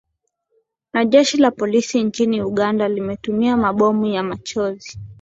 na jeshi la polisi nchini uganda limetumia mabomu ya machozi